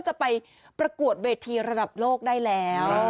จะไปประกวดเวทีระดับโลกได้แล้ว